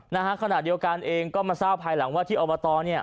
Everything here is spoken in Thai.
นะฮะขณะเดียวกันเองก็เมื่อสาวภายหลังว่าที่อบอตร